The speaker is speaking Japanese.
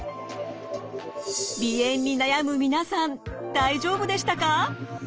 鼻炎に悩む皆さん大丈夫でしたか？